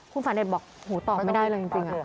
คุณฟันไดทบอกหูตอบไม่ได้เลยจริง